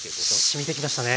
しみてきましたね。